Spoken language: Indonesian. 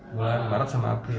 bulan maret sama april